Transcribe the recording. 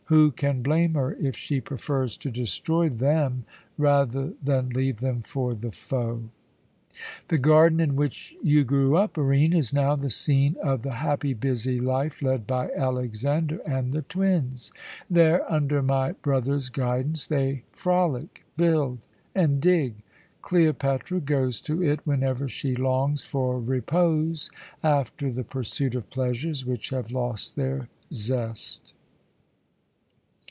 Who can blame her if she prefers to destroy them rather than leave them for the foe." "The garden in which you grew up, Barine, is now the scene of the happy, busy life led by Alexander and the twins. There, under my brother's guidance, they frolic, build, and dig. Cleopatra goes to it whenever she longs for repose after the pursuit of pleasures which have lost their zest.